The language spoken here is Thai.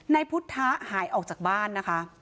นายพุทธะหายออกจากบ้านนะคะ